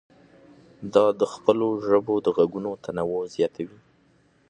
دا د خپلو ژبو د غږونو تنوع زیاتوي.